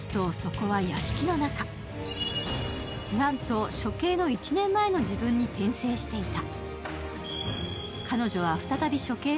なんと処刑の１年前の自分に転生していた。